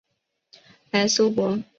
莱苏博。